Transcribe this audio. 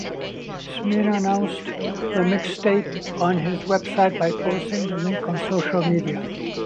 Smino announced the mixtape on his website by posting the link on social media.